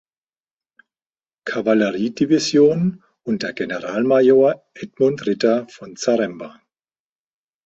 Kavalleriedivision unter Generalmajor Edmund Ritter von Zaremba.